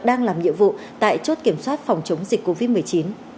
đang làm nhiệm vụ tại chốt kiểm soát phòng chống dịch covid một mươi chín